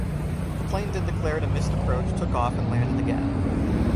The plane then declared a missed approach, took off and landed again.